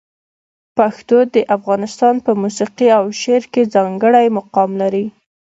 پښتو د افغانستان په موسیقي او شعر کې ځانګړی مقام لري.